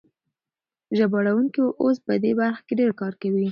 ژباړونکي اوس په دې برخه کې ډېر کار کوي.